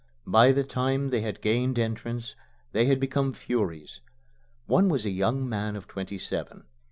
By the time they had gained entrance they had become furies. One was a young man of twenty seven.